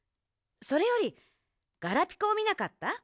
それよりガラピコをみなかった？